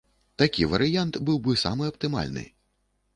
Такі варыянт быў бы самы аптымальны.